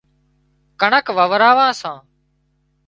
ڪڻڪ واوران سان